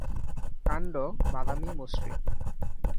কাণ্ড বাদামি মসৃণ।